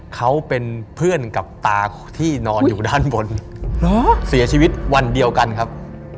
เขาเป็นเพื่อนกับตาที่นอนอยู่ด้านบนเสียชีวิตวันเดียวกันครับ